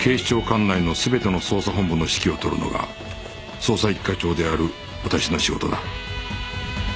管内の全ての捜査本部の指揮を執るのが捜査一課長である私の仕事だ